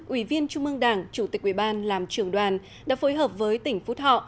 ủy viên trung mương đảng chủ tịch quỳ ban làm trường đoàn đã phối hợp với tỉnh phú thọ